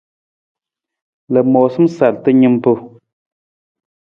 Lamoosam sarta nimpa.